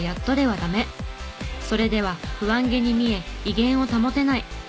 それでは不安げに見え威厳を保てない。